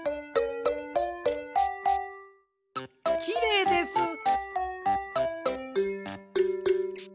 きれいです！